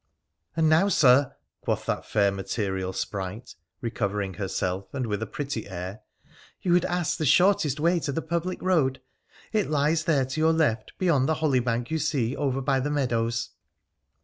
' And now, Sir,' quoth that fair material sprite, recovering herself, and with a pretty air, ' you would ask the shortest way to the public road. It lies there to your left, beyond the hollybank you see over by the meadows.'